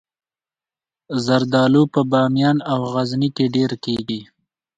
زردالو په بامیان او غزني کې ډیر کیږي